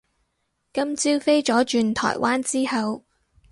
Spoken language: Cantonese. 今朝飛咗轉台灣之後